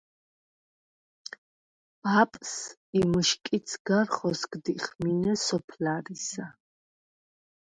ბაპს ი მჷშკიდს გარ ხოსგდიხ მინე სოფლარისა.